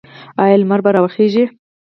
آیا لمر به راوخیږي؟